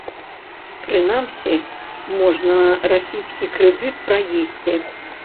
Прынамсі, можна расійскі крэдыт праесці.